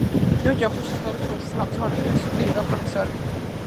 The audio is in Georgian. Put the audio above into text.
ივანე ჯავახიშვილის სახელობის თბილისის სახელმწიფო უნივერსიტეტის სრული პროფესორი.